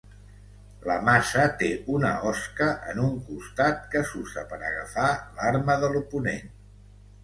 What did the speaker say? La maça té una osca en un costat que s'usa per agafar l'arma de l'oponent.